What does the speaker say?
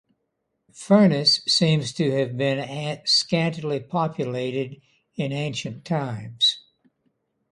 Furness seems to have been scantly populated in ancient times.